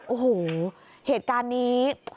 โอ้โหเหตุการณ์นี้